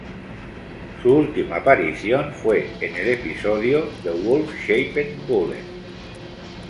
Su última aparición fue en el episodio "The Wolf-Shaped Bullet".